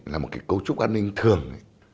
là một cái cấu trúc an ninh thường